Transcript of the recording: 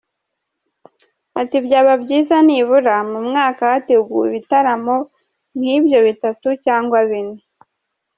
Ati “Byaba byiza nibura mu mwaka hateguwe ibitaramo nk’ibyo bitatu cyangwa bine”.